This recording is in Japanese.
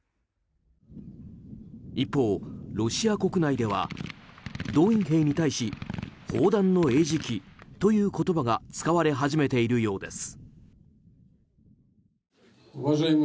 一方、ロシア国内では動員兵に対し砲弾の餌食という言葉が使われ始めているようです。